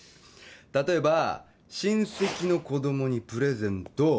例えば親戚の子供にプレゼント